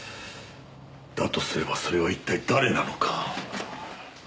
だとすればそれは一体誰なのか。